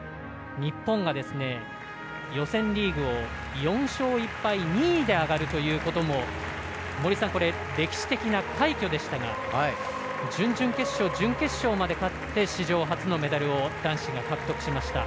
日本が予選リーグを４勝１敗２位で上がるということも歴史的な快挙でしたが準々決勝、準決勝まで勝って史上初のメダルを男子が獲得しました。